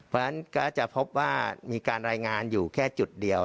เพราะฉะนั้นก็จะพบว่ามีการรายงานอยู่แค่จุดเดียว